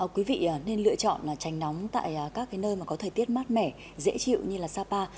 quý vị nên lựa chọn trành nóng tại các nơi mà có thời tiết mát mẻ dễ chịu như là sapa